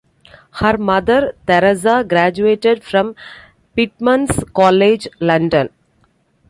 Her mother, Therasa, graduated from Pitman's College, London.